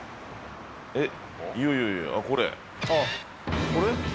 えっ、いやいや、ああ、これ？